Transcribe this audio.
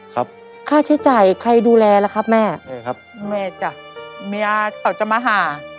ครับค่าใช้จ่ายใครดูแลแล้วครับแม่ใช่ครับแม่จ๋าแม่เขาจะมาหา